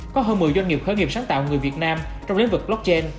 có hơn một mươi doanh nghiệp khởi nghiệp sáng tạo người việt nam trong lĩnh vực blockchain